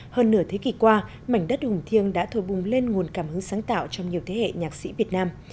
hơn nửa thế kỷ qua mảnh đất hùng thiêng đã thổi bùng lên nguồn cảm hứng sáng tạo trong nhiều thế hệ nhạc sĩ việt nam